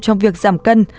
trong việc giảm cân